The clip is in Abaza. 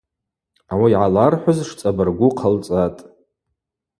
Ауи йгӏалархӏвыз шцӏабыргу хъалцӏатӏ.